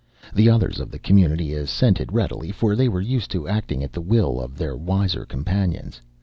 The others of the community assented readily, for they were used to acting at the will of their wiser companions.